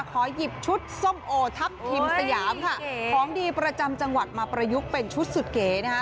ขอหยิบชุดส้มโอทัพทิมสยามค่ะของดีประจำจังหวัดมาประยุกต์เป็นชุดสุดเก๋นะคะ